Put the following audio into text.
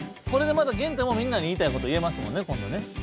これでゲンタもみんなに言いたいことを言えますもんねこんどね。